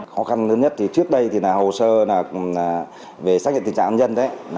khó khăn lớn nhất trước đây là hồ sơ về xác nhận tình trạng nhân